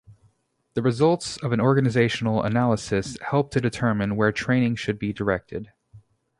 The results of an organizational analysis help to determine where training should be directed.